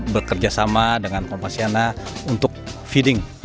bekerjasama dengan kompasiana untuk feeding